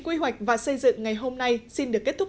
quy hoạch và xây dựng ngày hôm nay xin được kết thúc